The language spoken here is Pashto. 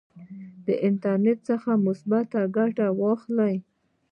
د انټرنیټ څخه مثبته ګټه واخلئ.